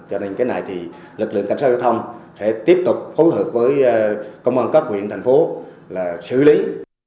cho nên lực lượng cảnh sát giao thông sẽ tiếp tục phối hợp với công an các quyền thành phố xử lý